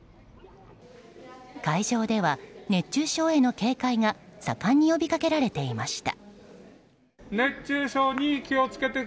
会場では、熱中症への警戒が盛んに呼びかけられていました。